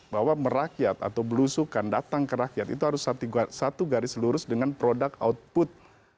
bahwa merakyat atau belusukan datang ke rakyat itu harus satu garis lurus dengan produk output